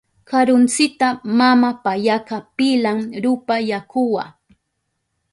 Karuntsita mama payaka pilan rupa yakuwa.